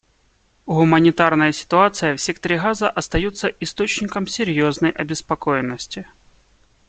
Гуманитарная ситуация в секторе Газа остается источником серьезной обеспокоенности.